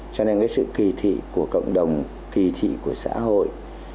cho nên cái sự kỳ thị của cộng đồng kỳ thị của xã hội